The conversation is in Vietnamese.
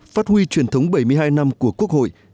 phát huy truyền thống bảy mươi hai năm của quốc hội